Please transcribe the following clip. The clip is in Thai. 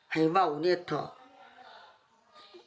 ให้เบาเน่ะที่